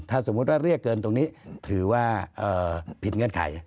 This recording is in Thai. ถ้าสมมุติว่าเรียกเกินตรงนี้ถือว่าผิดเงื่อนไข